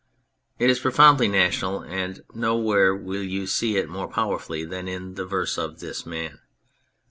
It is profoundly national and no where will you see it more powerfully than in the verse of this man.